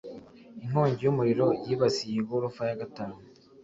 Inkongi y'umuriro yibasiye igorofa ya gatanu